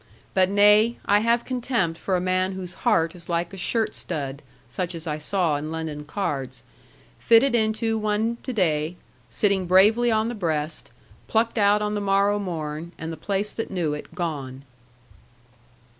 But nay; I have contempt for a man whose heart is like a shirt stud (such as I saw in London cards), fitted into one to day, sitting bravely on the breast; plucked out on the morrow morn, and the place that knew it, gone.